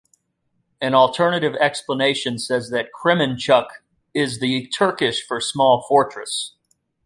An alternative explanation says that "Kremenchuk" is the Turkish for "small fortress".